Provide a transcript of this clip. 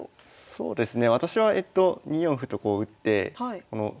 そうですね。